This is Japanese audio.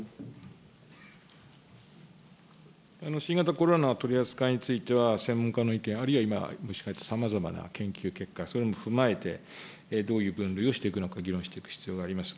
新型コロナの取り扱いについては、専門家の意見、あるいは今、さまざまな研究結果、それも踏まえて、どういう分類をしていくのか、議論していく必要があります